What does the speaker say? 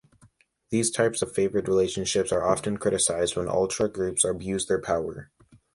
These types of favoured relationships are often criticized when ultras groups abuse their power.